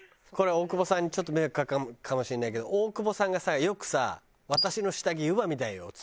これ大久保さんにちょっと迷惑かかるかもしれないけど大久保さんがさよくさ「私の下着湯葉みたいよ」